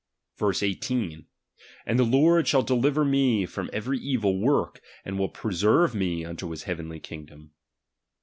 (verse 18): And the Lord shall deliver me from erery evil work, and tcill preserte me unto his heavenly king dom.